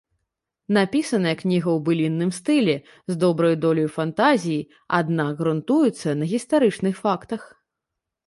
Напісаная кніга ў былінным стылі, з добраю доляю фантазіі, аднак грунтуецца на гістарычных фактах.